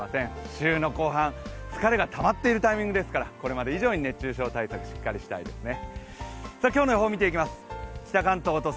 週の後半、疲れがたまっているタイミングですから、これまで以上に熱中症対策をしっかりしたいですね。